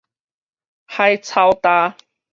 海草礁